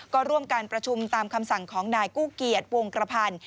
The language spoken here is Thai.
ก็ร่วมการประชุมตามคำสั่งของนายกู้เกียจวงกระพันธ์